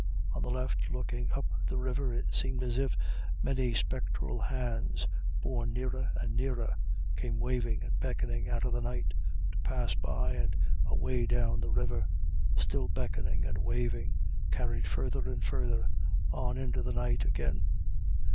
On the left, looking up the river, it seemed as if many spectral hands, borne nearer and nearer, came waving and beckoning out of the night, to pass by and away down the river, still beckoning and waving, carried further and further, on into the night again.